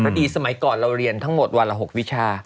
ดีสมัยก่อนเราเรียนทั้งหมดวันละ๖วิชา